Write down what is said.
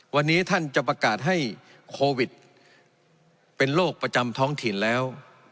วันนี้ท่านจะประกาศให้โควิดเป็นโรคประจำท้องถิ่นแล้ว